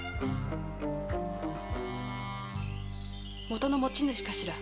元の持ち主かしら？